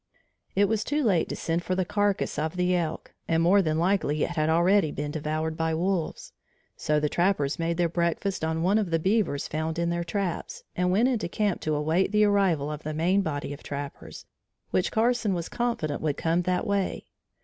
It was too late to send for the carcass of the elk and more than likely it had already been devoured by wolves. So the trappers made their breakfast on one of the beavers found in their traps, and went into camp to await the arrival of the main body of trappers, which Carson was confident would come that way.